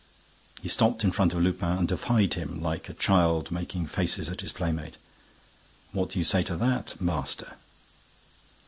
He stopped in front of Lupin and defied him, like a child making faces at his playmate: "What do you say to that, master?"